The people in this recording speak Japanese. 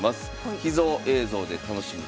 「秘蔵映像で楽しむ！